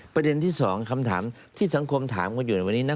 ประเด็นที่๒คำถามที่สังคมถามกันอยู่ในวันนี้นะ